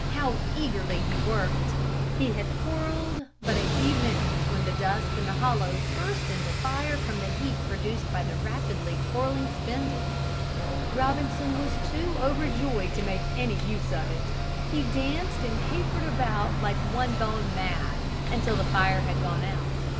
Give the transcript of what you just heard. How eagerly he worked! He had twirled but a few minutes when the dust in the hollow burst into fire from the heat produced by the rapidly twirling spindle. [Illustration: ROBINSON'S TOOLS FOR MAKING FIRE] Robinson was too overjoyed to make any use of it. He danced and capered about like one gone mad until the fire had gone out.